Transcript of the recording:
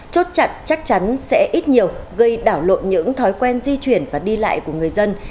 chốt chặt chắc chắn sẽ ít nhiều gây đảo lộn những thói quen di chuyển và đi lại của người dân